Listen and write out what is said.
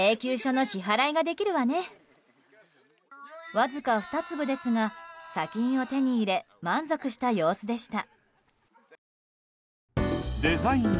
わずか２粒ですが砂金を手に入れ満足した様子でした。